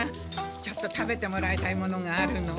ちょっと食べてもらいたいものがあるの。